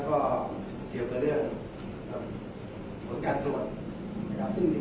แต่ว่าไม่มีปรากฏว่าถ้าเกิดคนให้ยาที่๓๑